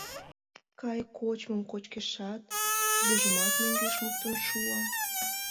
Кайык кочмым кочкешат, тудыжымат мӧҥгеш луктын шуа.